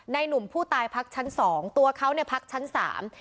หนุ่มผู้ตายพักชั้นสองตัวเขาเนี่ยพักชั้นสาม